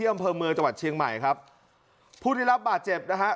ที่อำเภอเมียจับหวัดเชียงใหม่ครับผู้ติดรับบาดเจ็บนะคะ